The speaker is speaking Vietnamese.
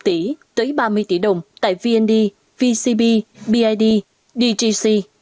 tới ba mươi tỷ đồng tại vnd vcb bid dgc